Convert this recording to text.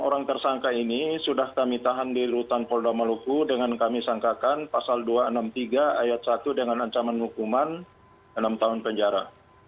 empat orang tersangka ini sudah kami tahan di rutan polda maluku dengan kami sangkakan pasal dua ratus enam puluh tiga ayat satu dengan ancaman hukuman enam tahun penjara